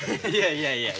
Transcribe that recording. いやいや。